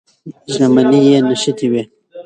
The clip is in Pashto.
ژامنې یې نښتې وې.